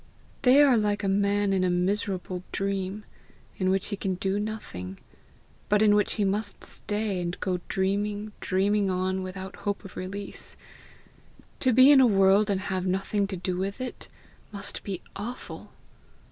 They are like a man in a miserable dream, in which he can do nothing, but in which he must stay, and go dreaming, dreaming on without hope of release. To be in a world and have nothing to do with it, must be awful!